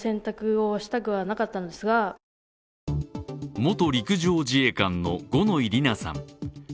元陸上自衛官の五ノ井里奈さん。